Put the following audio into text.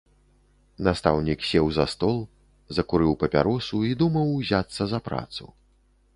Настаўнік сеў за стол, закурыў папяросу і думаў узяцца за працу.